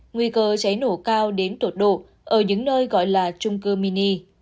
nguy cơ cháy nổ cao đến tột độ ở những nơi gọi là trung cư mini